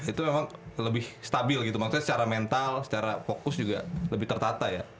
itu memang lebih stabil gitu maksudnya secara mental secara fokus juga lebih tertata ya